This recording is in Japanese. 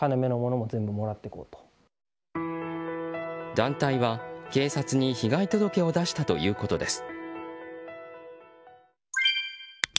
団体は警察に被害届を出したということです。